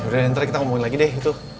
yaudah nanti kita ngomongin lagi deh